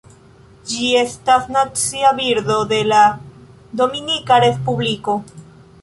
Ĝi estas Nacia birdo de la Dominika Respubliko.